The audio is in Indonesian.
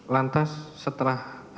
lantas setelah ahli